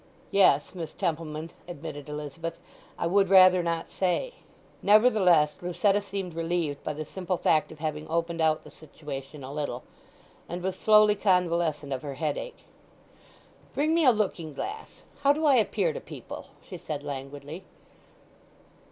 "Yes, Miss Templeman," admitted Elizabeth. "I would rather not say." Nevertheless, Lucetta seemed relieved by the simple fact of having opened out the situation a little, and was slowly convalescent of her headache. "Bring me a looking glass. How do I appear to people?" she said languidly.